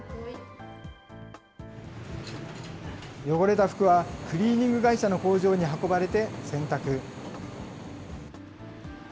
汚れた服はクリーニング会社の工場に運ばれて、洗濯。